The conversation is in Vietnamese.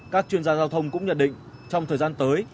các chuyên gia giao thông cũng nhận định trong thời gian tới